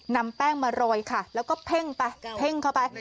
นำแป้งมาโรยค่ะแล้วก็เพ่งไปเพ่งเข้าไป